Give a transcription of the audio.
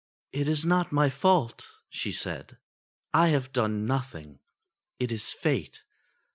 "It is not my fault," she said. '*I have done nothing. It is Fate.